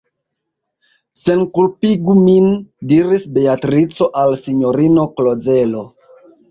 Senkulpigu min, diris Beatrico al sinjorino Klozelo.